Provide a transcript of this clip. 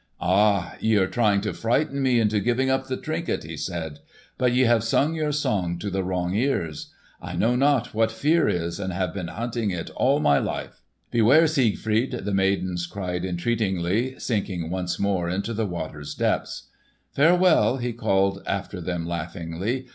"Ah, ye are trying to frighten me into giving up the trinket!" he said. "But ye have sung your song to the wrong ears. I know not what fear is and have been hunting it all my life." "Beware, Siegfried!" the maidens cried entreatingly, sinking once more into the water's depths. "Farewell!" he called after them laughingly.